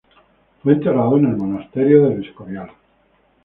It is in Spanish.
Fue enterrado en el Monasterio de El Escorial.